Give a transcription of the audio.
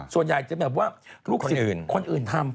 ส่วนใหญ่จะแบบว่าลูกศิษย์คนอื่นทำ